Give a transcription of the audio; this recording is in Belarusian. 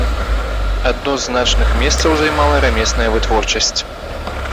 Адно з значных месцаў займала рамесная вытворчасць.